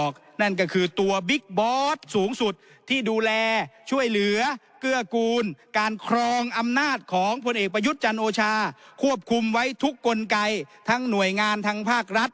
เกื้อกูลการครองอำนาจของพลเอกประยุทธ์จันทร์โอชาควบคุมไว้ทุกกลไกรทั้งหน่วยงานทั้งภาครัฐ